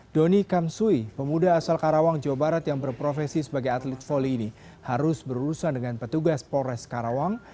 doni kamsui pemuda asal karawang jawa barat yang berprofesi sebagai atlet voli ini harus berurusan dengan petugas polres karawang